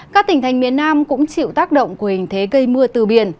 các tỉnh thành miền nam cũng chịu tác động của hình thế gây mưa từ biển